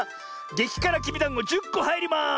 げきからきびだんご１０こはいります！